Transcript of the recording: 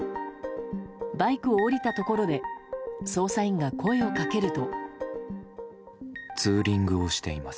バイクを降りたところで捜査員が声をかけると。